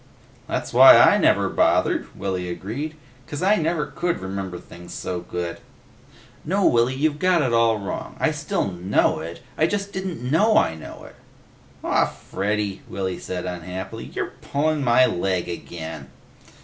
"That's why I never bothered," Willy agreed. "'Cause I never could remember things so good." "No, Willy. You've got it all wrong. I still know it, I just didn't know I know it." "Aw, Freddy," Willy said unhappily. "You're pullin' my leg again!"